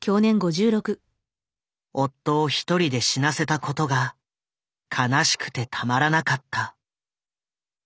夫を一人で死なせたことが悲しくてたまらなかった。